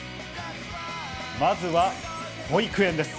まずは保育園です。